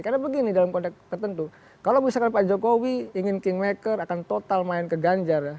karena begini dalam konteks tertentu kalau misalkan pak jokowi ingin kingmaker akan total main ke ganjar